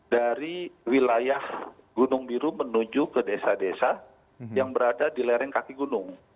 dari wilayah gunung biru menuju ke desa desa yang berada di lereng kaki gunung